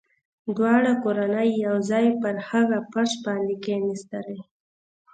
دواړه کورنۍ يو ځای پر هغه فرش باندې کښېناستلې.